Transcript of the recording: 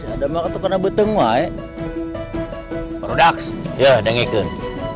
ada maka tuh kena beteng wae produk ya dengarkan